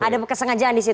ada kesengajaan di situ